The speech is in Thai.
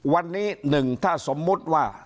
วันนี้๑ถ้าสมมุติว่า